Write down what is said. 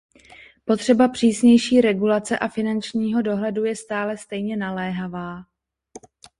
Potřeba přísnější regulace a finančního dohledu je stále stejně naléhavá.